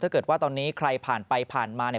ถ้าเกิดว่าตอนนี้ใครผ่านไปผ่านมา